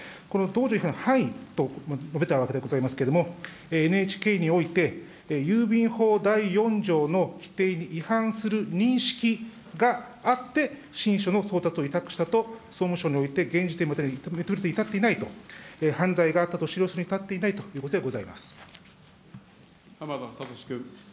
この犯意と述べたわけでございますけれども、ＮＨＫにおいて郵便法第４条の規定に違反する認識があって信書の送達を委託したと総務省において、現時点では受け止めるに至っていないと、犯罪があったとするに至っていないということでござい浜田聡君。